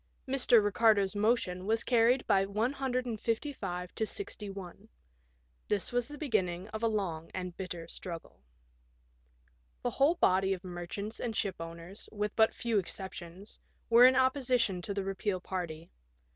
Mr. Eicardo's motion was carried by 155 to 61. This was the beginning of a long and bitter struggle. The whole body of merchants and shipowners, with but few exceptions, were in opposition to the repeal party.